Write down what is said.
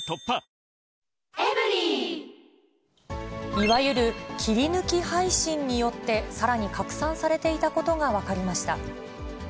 いわゆる切り抜き配信によって、さらに拡散されていたことが分かりました。